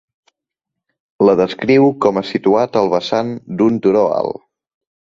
La descriu com a situat al vessant d'un turó alt.